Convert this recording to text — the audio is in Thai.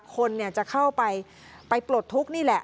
คนจะเข้าไปไปปลดทุกข์นี่แหละ